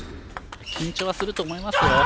緊張はすると思います。